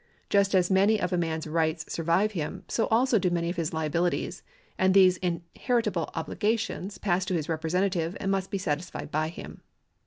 Just as many of a man's rights survive him, so also do many of his liabilities ; and these inheritable obligations pass to his representative, and must be satisfied by him.